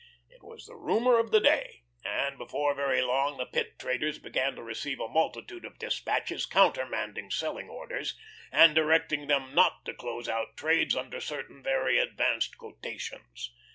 It was the rumour of the day, and before very long the pit traders began to receive a multitude of despatches countermanding selling orders, and directing them not to close out trades under certain very advanced quotations.